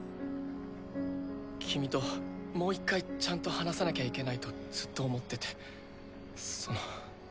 君ともう一回ちゃんと話さなきゃいけないとずっと思っててその。